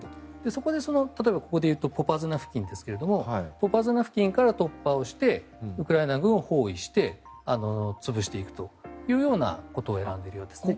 そこで例えば、ここでいうとポパスナ付近ですがポパスナから突破してウクライナ軍を包囲して潰していくというようなことを選んでいるようですね。